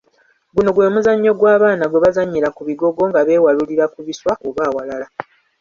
Guno gwe muzannyo gw'abaana gwe bazannyira ku bigogo nga beewalurira ku biswa oba awalala.